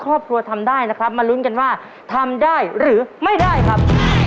ครอบครัวทำได้นะครับมาลุ้นกันว่าทำได้หรือไม่ได้ครับ